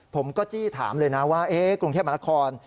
ผมก็จี้ถามเลยนะว่ากรุงเทพมหานคร